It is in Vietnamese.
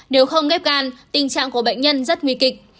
nếu không ghép gan tình trạng của bệnh nhân rất nguy kịch